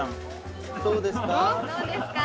・どうですか？